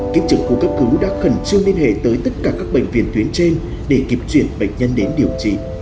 kiếp trực khu cấp cứu đã khẩn trương liên hệ tới tất cả các bệnh viện tuyến trên để kịp chuyển bệnh nhân đến điều trị